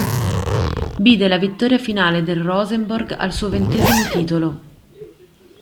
Vide la vittoria finale del Rosenborg, al suo ventesimo titolo.